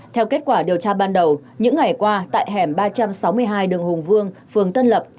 theo kết quả điều tra ban đầu những ngày qua tại hẻm ba trăm sáu mươi hai đường hùng vương phường tân lập